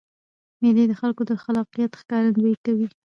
مېلې د خلکو د خلاقیت ښکارندویي کوي.